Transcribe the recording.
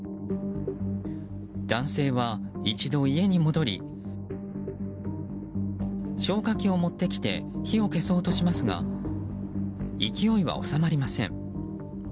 男性は一度、家に戻り消火器を持ってきて火を消そうとしますが勢いは収まりません。